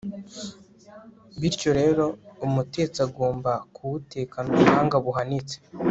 bityo rero umutetsi agomba kuwutekana ubuhanga buhanitse